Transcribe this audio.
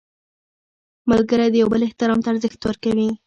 ملګری د یو بل احترام ته ارزښت ورکوي